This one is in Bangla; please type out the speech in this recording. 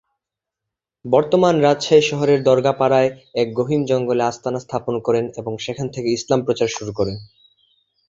বর্তমান রাজশাহী শহরের দরগাহপাড়ায় এক গহীন জঙ্গলে আস্তানা স্থাপন করেন এবং সেখান থেকে ইসলাম প্রচার শুরু করেন।